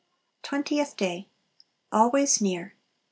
Twentieth Day Always Near.